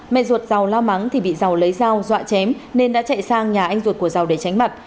mẹ ruột dầu la mắng thì bị dầu lấy dầu dọa chém nên đã chạy sang nhà anh ruột của dầu để tránh mặt